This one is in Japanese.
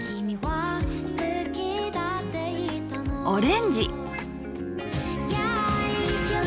オレンジ。